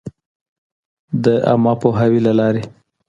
د عــامه پـوهــاوي لـه لارې٫